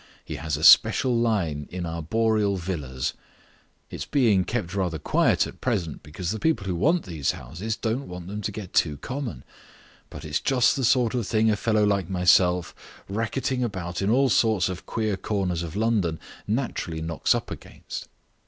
He has a special line in arboreal villas. It's being kept rather quiet at present, because the people who want these houses don't want them to get too common. But it's just the sort of thing a fellow like myself, racketing about in all sorts of queer corners of London, naturally knocks up against."